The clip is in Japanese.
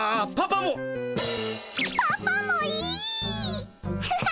パパもいいっ！